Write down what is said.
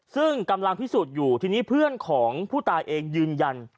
ซึ่งกำลังพิสูจน์อยู่ทีนี้เพื่อนของผู้ตายเองยืนยัน